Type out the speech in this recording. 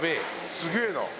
すげえな。